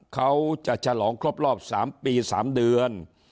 เขาจะฉลองครบรอบ๓ปี๓เดือน